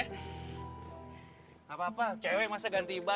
nggak apa apa cewek masa ganti iba